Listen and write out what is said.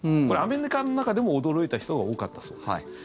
これ、アメリカの中でも驚いた人が多かったそうです。